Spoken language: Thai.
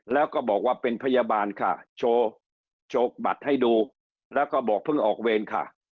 แล้วก็บอกว่าเป็นพยาบาลค่ะโชว์โชว์บัตรให้ดูแล้วก็บอกเพิ่งออกเวรค่ะ